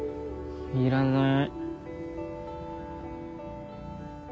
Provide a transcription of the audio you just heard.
いらない。